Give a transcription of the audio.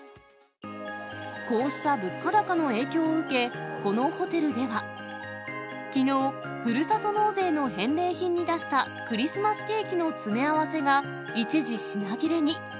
こうした物価高の影響を受け、このホテルでは、きのう、ふるさと納税の返礼品に出したクリスマスケーキの詰め合わせが、一時品切れに。